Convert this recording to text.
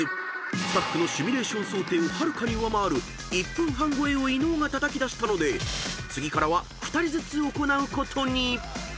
［スタッフのシミュレーション想定をはるかに上回る１分半超えを伊野尾がたたき出したので次からは］